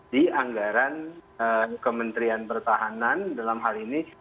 di anggaran kementerian pertahanan dalam hal ini